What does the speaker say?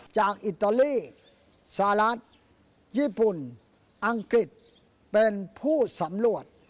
อิตาลีสหรัฐญี่ปุ่นอังกฤษเป็นผู้สำรวจ